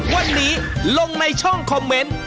วันนี้ลงในช่องคอมเมนต์